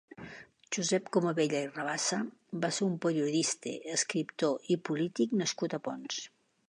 Josep Comabella i Rabassa va ser un periodista, escriptor i polític nascut a Ponts.